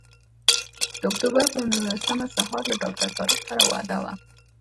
د اکتوبر پر نولسمه سهار له ډاکټر طارق سره وعده وه.